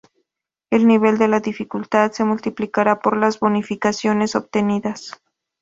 El nivel de dificultad se multiplica por las bonificaciones obtenidas.